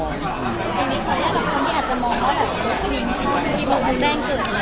อันนี้คนนี้อาจจะมองว่าแบบพี่บอกว่าแจ้งเกิดทำงาน